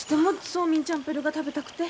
☎ソーミンチャンプル−が食べたくて。